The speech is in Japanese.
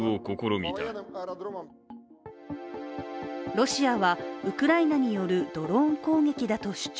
ロシアはウクライナによるドローン攻撃だと主張。